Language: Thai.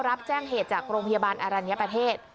รับแจ้งเหตุจากโรงพยาบาลอรัญญประเทศ